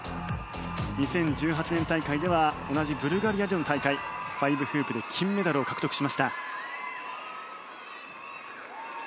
２０１８年大会では同じブルガリアでの大会５フープで金メダルを獲得しました。